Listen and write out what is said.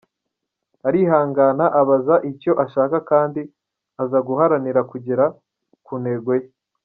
Arihangana, aba azi icyo ashaka kandi azi guharanira kugera ku ntego ye.